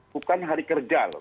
bukan hari kergal